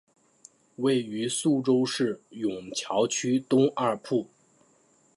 位于宿州市埇桥区东二铺。